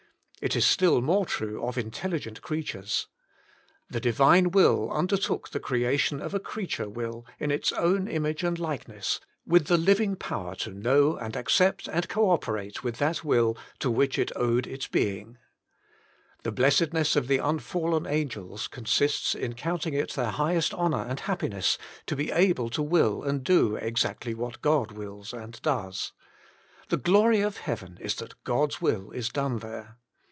It is still more true of intelligent creatures. The Divine Will undertook the creation of a creature will in its own image and likeness, with the living power to know and accept and co operate with that Will to which it owed its being. The blessedness of the unf alien angels, consists in counting it their high est honour and happiness to be able to wiU and 105 lo6 The Inner Chamber do exactly what God wills and does. The glory of heaven is that God's will is done there.